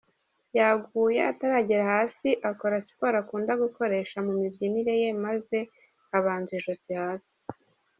Yaguye ataragera hasi akora siporo akunda gukoresha mu mibyinire ye maze abanza ijosi hasi.